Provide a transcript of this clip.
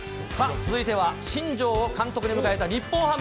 続いては新庄を監督に迎えた日本ハム。